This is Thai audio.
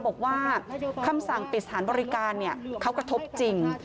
บอกว่าคำสั่งปิดสถานบริการเขากระทบจริง